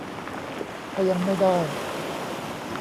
ถ้ายังไม่ได้